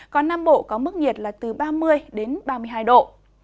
còn nam bộ có mức nhiệt từ ba mươi ba mươi hai độ